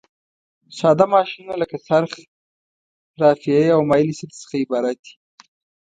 ساده ماشینونه له څرخ، رافعې او مایلې سطحې څخه عبارت دي.